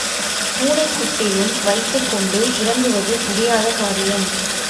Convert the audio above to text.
பூனைக் குட்டியையும், வைத்துக் கொண்டு இறங்குவது முடியாத காரியம்.